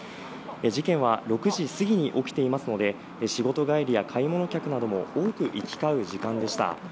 事件は６時過ぎに起きていますので仕事帰りや買い物客なども多く行き交う時間でした。